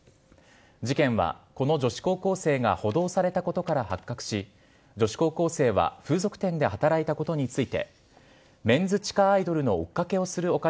事件はこの女子高校生が補導されたことから発覚し、女子高校生は風俗店で働いたことについて、メンズ地下アイドルの追っかけをするお金